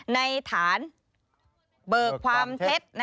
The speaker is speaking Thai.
ในฐานเบิกความเท็จ